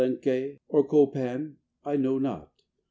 Palenque? or Copan? I know not.